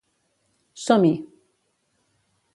Som-hi!